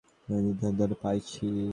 তুমি কি আমাকে নির্বোধ পাইয়াছ!